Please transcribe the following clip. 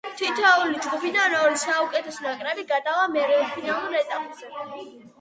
თითოეული ჯგუფიდან ორი საუკეთესო ნაკრები გადავა მერვედფინალურ ეტაპზე.